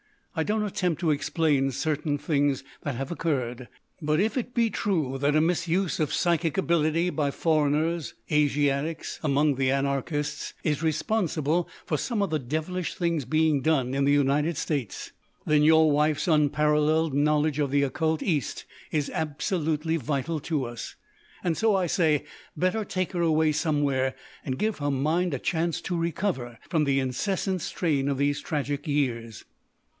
I don't attempt to explain certain things that have occurred. But if it be true that a misuse of psychic ability by foreigners—Asiatics—among the anarchists is responsible for some of the devilish things being done in the United States, then your wife's unparalleled knowledge of the occult East is absolutely vital to us. And so I say, better take her away somewhere and give her mind a chance to recover from the incessant strain of these tragic years."